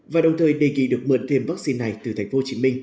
và đồng thời đề kỳ được mượn thêm vaccine này từ tp hcm